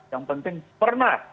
yang penting pernah